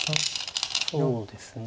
そうですね。